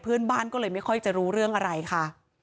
เพื่อนบ้านก็เลยไม่ค่อยจะรู้เรื่องอะไรค่ะ